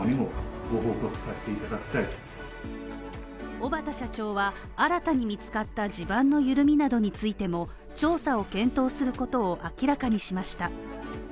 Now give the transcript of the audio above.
小畠社長は新たに見つかった地盤の緩みなどについても調査を検討することを明らかにしました。